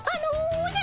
おじゃ。